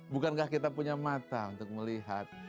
bukankah kita punya mata untuk melihat